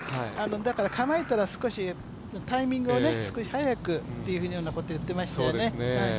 だから構えたら少しタイミングを少し速くというようなことをいってましたよね。